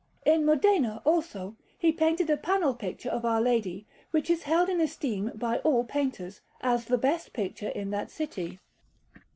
In Modena, also, he painted a panel picture of Our Lady, which is held in esteem by all painters, as the best picture in that city.